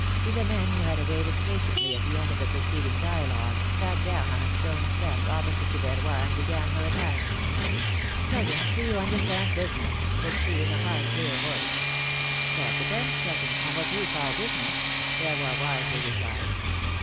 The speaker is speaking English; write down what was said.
Philomene, who had awaited patiently the end of the preceding dialogue, sat down on a stone step opposite to Verroy and began her attack. Cousin, do you understand business?" said she, in a high, clear voice. ^'That depends, cousin, on what you call business," Verroy wisely replied.